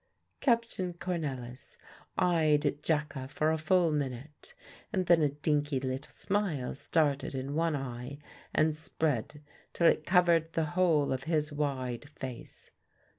Captain Cornelisz eyed Jacka for a full minute, and then a dinky little smile started in one eye and spread till it covered the whole of his wide face.